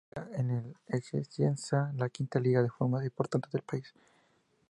Actualmente juega en la Eccellenza, la quinta liga de fútbol más importante del país.